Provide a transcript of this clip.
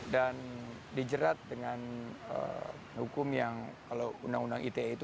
dan dijerat dengan hukum yang kalau undang undang ite itu